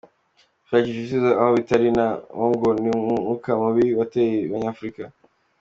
‘Gushakira ibisubizo aho bitari’ na wo ngo ni umwuka mubi wateye abanyafurika.